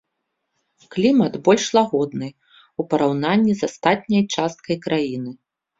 Клімат больш лагодны ў параўнанні з астатняй часткай краіны.